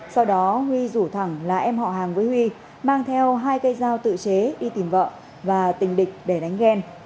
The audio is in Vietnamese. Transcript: sau đó huy rủ thẳng là em họ hàng với huy mang theo hai cây dao tự chế đi tìm vợ và tình địch để đánh ghen